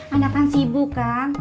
anak kan sibuk kan